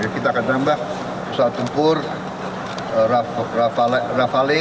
kita akan tambah pesawat tempur rafale